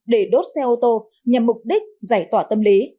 để đốt xe ô tô nhằm mục đích giải tỏa tâm lý